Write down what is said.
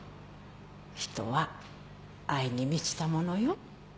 人は愛に満ちたものよ。